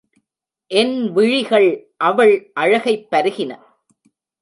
என் விழிகள் அவள் அழகைப் பருகின.